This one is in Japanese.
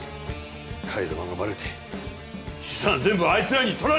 替え玉がバレて資産は全部あいつらに取られるだろう。